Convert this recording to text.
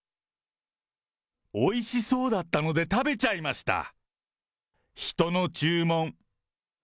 おいしそうだったので食べちゃいました、人の注文。